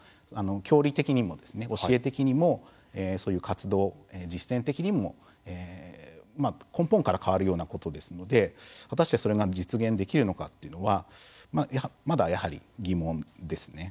教義的にも、教え的にもそういう活動、実践的にも根本から変わることですので果たして、それが実現できるのかということはまだ、やはり疑問ですね。